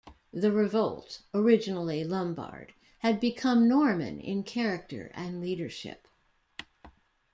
The revolt, originally Lombard, had become Norman in character and leadership.